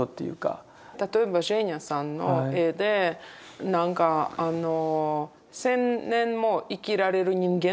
例えばジェーニャさんの絵でなんかあの１０００年も生きられる人間。